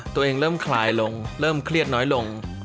เริ่มคลายลงเริ่มเครียดน้อยลง